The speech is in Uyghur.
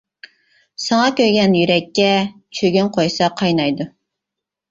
ساڭا كۆيگەن يۈرەككە، چۆگۈن قويسا قاينايدۇ.